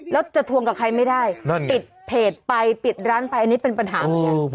แล้วจะทวงกับใครไม่ได้ปิดเพจไปปิดร้านไปอันนี้เป็นปัญหาเหมือนกัน